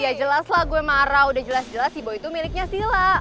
ya jelas lah gue marah udah jelas jelas si boy itu miliknya silla